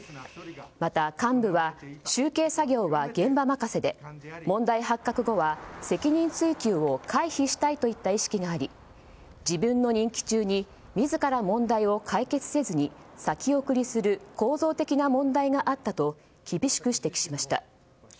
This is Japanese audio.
また幹部は集計作業は現場任せで問題発覚後は、責任追及を回避したいといった意識があり自分の任期中に自ら問題を解決せずに先送りする構造的な問題があったと厳しく指摘しました。